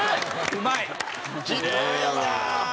うまいな！